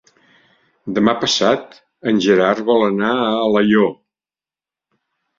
Demà passat en Gerard vol anar a Alaior.